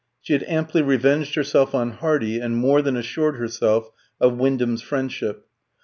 She had amply revenged herself on Hardy, and more than assured herself of Wyndham's friendship.